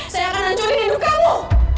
saya akan lanjutin hidup kamu